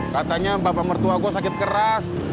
katanya bapak mertua gue sakit keras